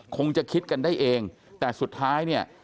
คงจะคิดกันได้เองแต่สุดท้ายเนี่ย